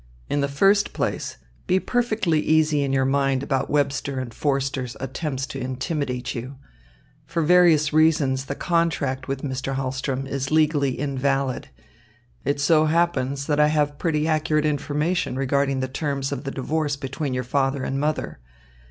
In the first place, be perfectly easy in your mind about Webster and Forster's attempts to intimidate you. For various reasons the contract with Mr. Hahlström is legally invalid. It so happens that I have pretty accurate information regarding the terms of the divorce between your father and mother.